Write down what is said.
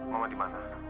mama di mana